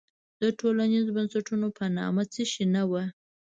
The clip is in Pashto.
د ټولنیزو بنسټونو په نامه څه شی نه وو.